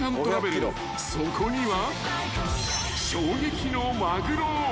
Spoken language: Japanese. ［そこには］